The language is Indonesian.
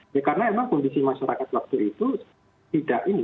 ya karena emang kondisi masyarakat waktu itu tidak ini